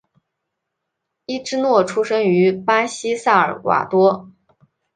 伊芝诺生于巴西萨尔瓦多。